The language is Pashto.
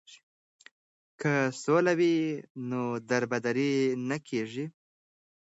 که سوله وي نو دربدره نه کیږي.